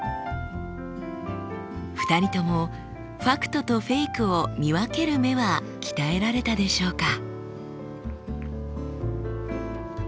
２人ともファクトとフェイクを見分ける目は鍛えられたでしょうか。